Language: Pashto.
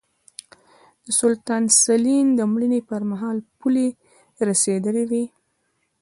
د سلطان سلین د مړینې پرمهال پولې رسېدلې وې.